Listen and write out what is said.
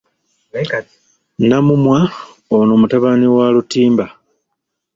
Namumwa ono mutabani wa Lutimba.